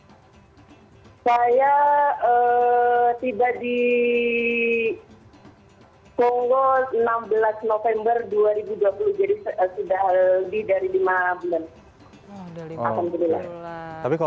saya tiba di kongo enam belas november dua ribu dua puluh jadi sudah lebih dari lima bulan